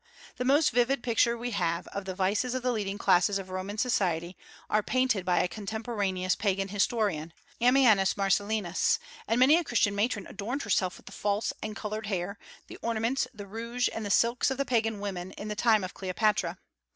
The most vivid picture we have of the vices of the leading classes of Roman society are painted by a contemporaneous Pagan historian, Ammianus Marcellinus, and many a Christian matron adorned herself with the false and colored hair, the ornaments, the rouge, and the silks of the Pagan women of the time of Cleopatra.